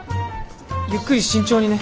ゆっくり慎重にね。